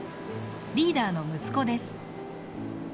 リーダーの息子です。